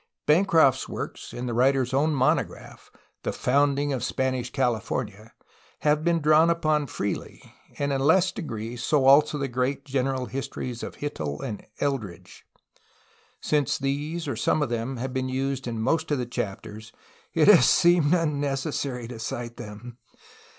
Bancroft's works and the writer's own monograph, The Founding of Spanish California, have been drawn upon freely, and in less degree so also the great general histories of Hittell and Eldredge. Since these, or some of them, have been used in most of the chapters, it has seemed unnecessary to cite them.